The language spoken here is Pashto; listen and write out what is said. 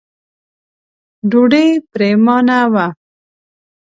ډوډۍ پرېمانه وه.